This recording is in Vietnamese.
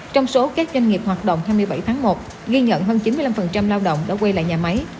trong số các doanh nghiệp hoạt động hai mươi bảy tháng một ghi nhận hơn chín mươi năm lao động đã quay lại nhà máy